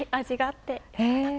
味があって。